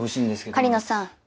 狩野さん